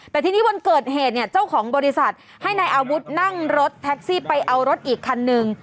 แต่ทีนี้วันเกิดเหตุเนี่ยเจ้าของบริษัทให้นายอาวุธนั่งรถแท็กซี่ไปเอารถอีกคันนึง